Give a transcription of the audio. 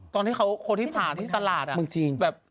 ตอนที่เขาโคตรที่ผ่าที่ตลาดอะแบบ